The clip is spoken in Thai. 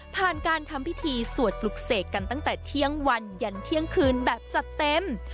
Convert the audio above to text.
ผ่านการทำพิธีสวดปลุกเสกกันตั้งแต่เที่ยงวันยันเที่ยงคืนแบบจัดเต็ม